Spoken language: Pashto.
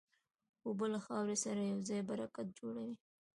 اوبه له خاورې سره یوځای برکت جوړوي.